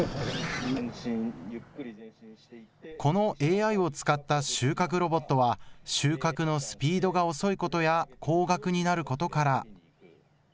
このＡＩを使った収穫ロボットは収穫のスピードが遅いことや、高額になることから。